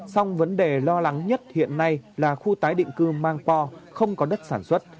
xong vấn đề lo lắng nhất hiện nay là khu tái định cư mang po không có đất sản xuất